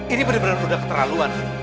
ini bener bener udah keterlaluan